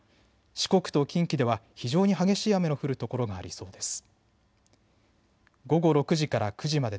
四国と近畿では非常に激しい雨の降る所がありそうです。